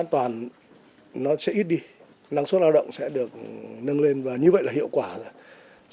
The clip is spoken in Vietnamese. kiểm soát an toàn nó sẽ ít đi năng suất lao động sẽ được nâng lên và như vậy là hiệu quả rồi